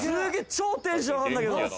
超テンション上がるんだけど。